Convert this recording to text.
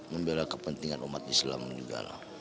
membela kepentingan umat islam juga lah